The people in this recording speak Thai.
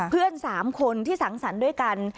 เพื่อน๓คนที่สังสรรค์ด้วยกัน